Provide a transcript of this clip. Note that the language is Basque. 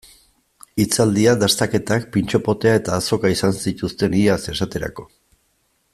Hitzaldiak, dastaketak, pintxo potea eta azoka izan zituzten iaz, esaterako.